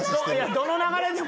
どの流れでも。